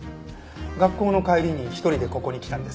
学校の帰りに１人でここに来たんですか？